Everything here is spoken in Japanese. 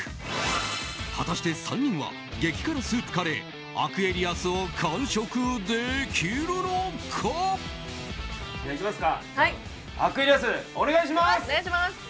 果たして３人は激辛スープカレーアクエリアスを完食できるのか？